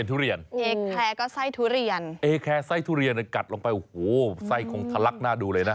เอเครก็ไส้ทุเรียน